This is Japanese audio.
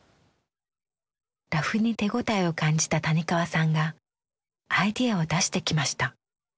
ラフに手応えを感じた谷川さんがアイデアを出してきました。